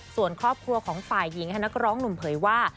ส่วนครอบครัวของฝ่ายหญิงนักร้องหนุ่มเผยว่า